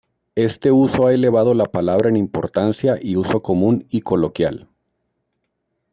Este uso ha elevado la palabra en importancia y uso común y coloquial.